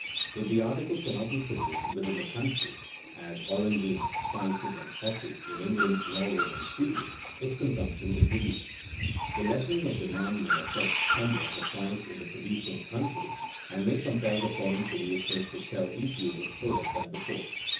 If the article cannot be produced within the country (as oranges, spices, and coffee, in England, Norway, and Sweden), its consumption is reduced. The lessening of demand may affect somewhat the price in the producing country and may compel the foreign producers to sell each unit for less than before.